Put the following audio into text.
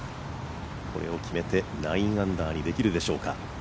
これを決めて９アンダーにできるでしょうか。